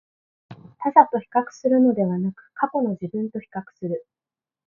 他者と比較するのではなく、過去の自分と比較する